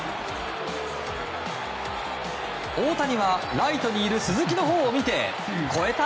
大谷はライトにいる鈴木のほうを見て越えた？